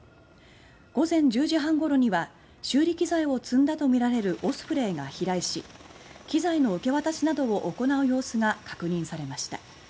午前１０時半ごろには修理機材を積んだとみられるオスプレイが飛来し機材の受け渡しなどを行う様子が確認されました。